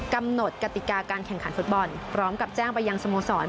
กำหนดกติกาการแข่งขันฟุตบอลพร้อมกับแจ้งไปยังสโมสร